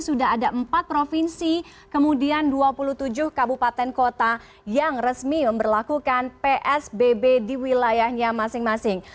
sudah ada empat provinsi kemudian dua puluh tujuh kabupaten kota yang resmi memperlakukan psbb di wilayahnya masing masing